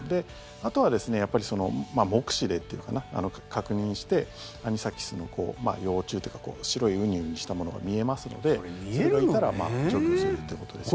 あとは、やっぱり目視でというかな、確認してアニサキスの幼虫というか白いウニュウニュしたものが見えますのでそれがいたら処分するということですね。